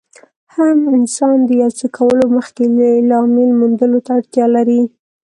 هر انسان د يو څه کولو مخکې د لامل موندلو ته اړتیا لري.